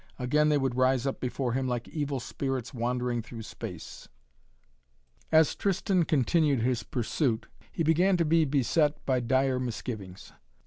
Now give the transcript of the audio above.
Again they would rise up before him like evil spirits wandering through space. As Tristan continued in his pursuit, he began to be beset by dire misgivings.